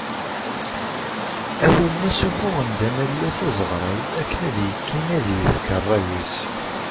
Awalen-a ssufuɣen-d anallas azeɣray akken ad yekki ad yefk rray-is.